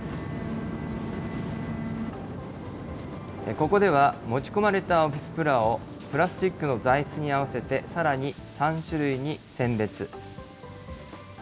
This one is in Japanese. ここでは、持ち込まれたオフィスプラをプラスチックの材質に合わせて、さらに３種類に選別。